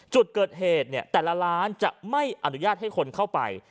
จุดเกิดเหตุเนี่ยแต่ละร้านจะไม่อนุญาตให้คนเข้าไป